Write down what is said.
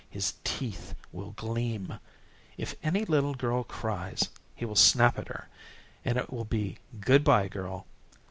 His teeth will gleam. If any little girl cries, he will snap at her, and it will be good bye girl.